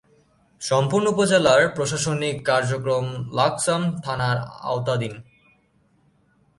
সম্পূর্ণ উপজেলার প্রশাসনিক কার্যক্রম লাকসাম থানার আওতাধীন।